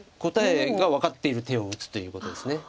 答えが分かっている手を打つということです。